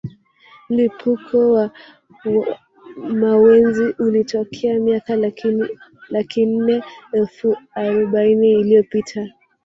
Mlipuko wa mawenzi ulitokea miaka laki nne elfu aroubaini iliyopita